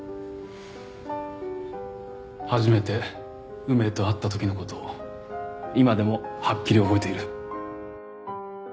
初めて梅と会った時の事を今でもはっきり覚えている。